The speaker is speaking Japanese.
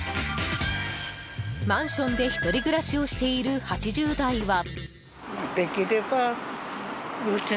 マンションで１人暮らしをしている８０代は。